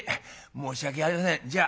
「申し訳ありませんじゃあ。